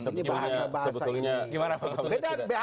ini bahasa bahasa ini